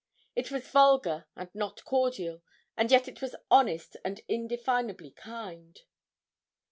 It was vulgar and not cordial, and yet it was honest and indefinably kind.